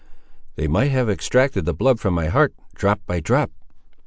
"They might have extracted the blood from my heart, drop by drop!"